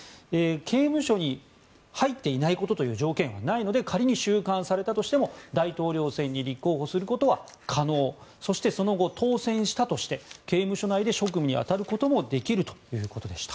刑務所に入っていないことという条件はないので仮に収監されたとしても大統領選に立候補することは可能そして、その後当選したとして刑務所内で職務に当たることもできるということでした。